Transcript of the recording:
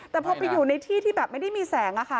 แต่พอไปอยู่ในที่ที่แบบไม่ได้มีแสงอะค่ะ